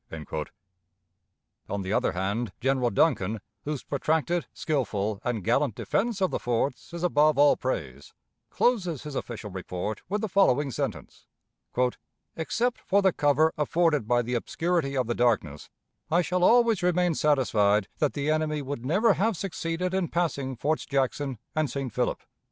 On the other hand, General Duncan, whose protracted, skillful, and gallant defense of the forts is above all praise, closes his official report with the following sentence: "Except for the cover afforded by the obscurity of the darkness, I shall always remain satisfied that the enemy would never have succeeded in passing Forts Jackson and St. Philip."